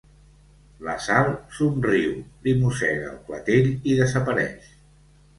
La Sal somriu, li mossega el clatell i desapareix.